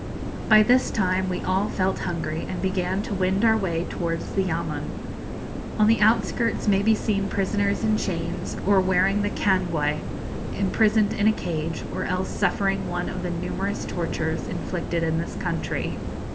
By this time we all felt hungry, and began to wend our way towards the yamun. On the outskirts may be seen prisoners in chains, or wearing the cangue, imprisoned in a cage, or else suffering one of the numerous tortures inflicted in this country.